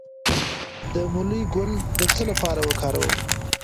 د مولی ګل د څه لپاره وکاروم؟